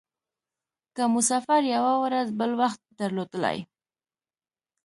که مو سفر یوه ورځ بل وخت درلودلای.